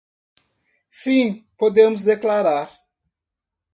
Sim, podemos declarar.